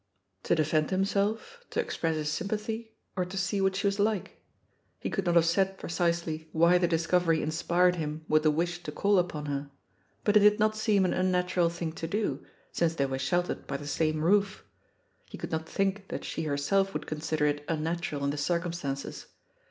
To defend himself, to express his sjrmpathy, or to see what she was like? He could not have said precisely why the discovery inspired him with the wish to call upon her, but it did not seem an unnatural thing to do, since they were sheltered by the same roof; he could not think that she herself would consider it unnatural in the circumstances.